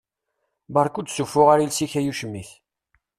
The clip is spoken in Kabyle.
Barka ur d-ssufuɣ ara iles-ik ay ucmit!